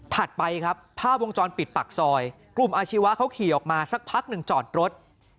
ไปครับภาพวงจรปิดปากซอยกลุ่มอาชีวะเขาขี่ออกมาสักพักหนึ่งจอดรถ